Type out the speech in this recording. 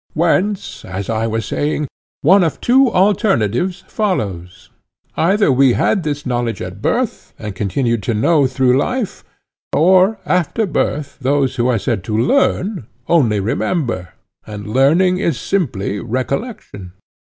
Whence, as I was saying, one of two alternatives follows:—either we had this knowledge at birth, and continued to know through life; or, after birth, those who are said to learn only remember, and learning is simply recollection.